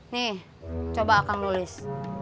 nih coba akan nulis